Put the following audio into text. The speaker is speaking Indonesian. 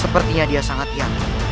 sepertinya dia sangat yakin